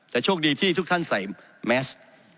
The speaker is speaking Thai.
แต่โชคดีที่ทุกท่านใส่แมส